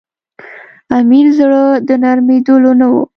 امیر زړه د نرمېدلو نه وو.